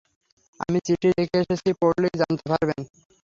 আমি চিঠি রেখে এসেছি– পড়লেই জানতে পারবেন।